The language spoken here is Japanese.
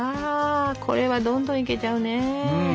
これはどんどんいけちゃうね。